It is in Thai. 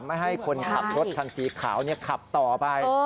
ไม่ให้คนขับรถคันสีขาวขับต่อไป